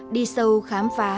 đi sâu khám phá